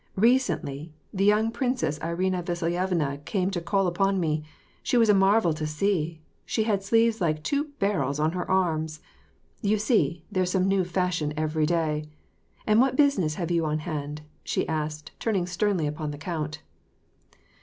Recently, the young Princess Irena Vasilyevna came to call upon me : she was a marvel to see ; she had sleeves like two barrels on her arms. You see, there's some new fashion every day. And what business have you on hand ?she asked, turuing sternly upon the count.